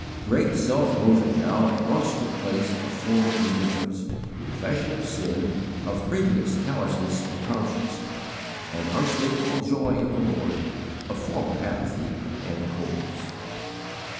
Great self loathing now at once took the place of former indifference; confession of sin, of previous callousness of conscience; and unspeakable joy in the Lord, of former apathy and coldness.